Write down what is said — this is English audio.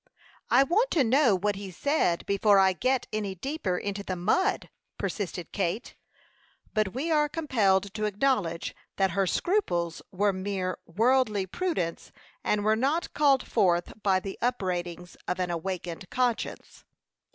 "I want to know what he said before I get any deeper into the mud," persisted Kate; but we are compelled to acknowledge that her scruples were mere worldly prudence, and were not called forth by the upbraidings of an awakened conscience.